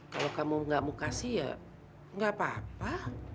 kalau kamu gak mau kasih ya gak apa apa